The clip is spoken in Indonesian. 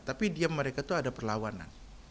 tapi dia mereka itu ada perlawanan